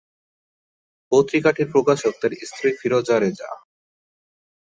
পত্রিকাটির প্রকাশক তার স্ত্রী ফিরোজা রেজা।